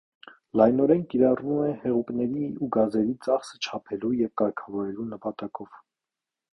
Լայնորեն կիրառվում է հեղուկների ու գազերի ծախսը չափելու և կարգավորելու նպատակով։